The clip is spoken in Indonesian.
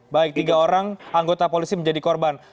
baik tiga orang anggota polisi menjadi korban